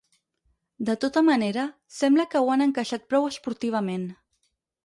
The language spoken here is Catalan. De tota manera, sembla que ho han encaixat prou esportivament.